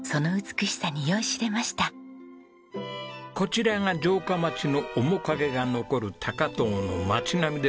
こちらが城下町の面影が残る高遠の町並みでございます。